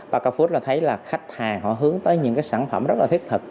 bacca food thấy khách hàng hướng tới những sản phẩm rất thiết thực